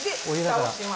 ふたをします。